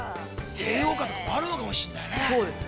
◆栄養価とかもあるのかもしれないですね。